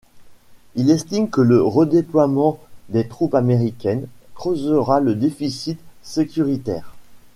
Il estime que le redéploiement des troupes américaines creusera le déficit sécuritaire.